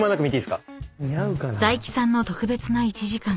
［財木さんの特別な１時間］